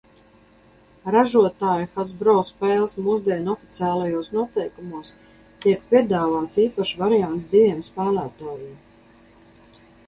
"Ražotāja "Hasbro" spēles mūsdienu oficiālajos noteikumos tiek piedāvāts īpašs variants diviem spēlētājiem."